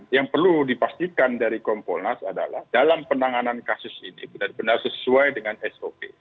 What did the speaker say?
yang perlu dipastikan dari kompolnas adalah dalam penanganan kasus ini benar benar sesuai dengan sop